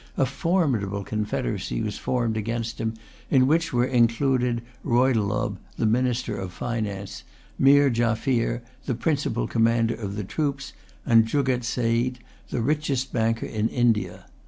A formidable confederacy was formed against him, in which were included Roydullub, the minister of finance, Meer Jaffier, the principal commander of the troops, and Jugget Seit, the richest banker in India.